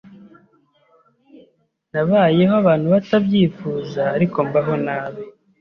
Nbayeho abantu batabyifuza ariko mbaho nabi,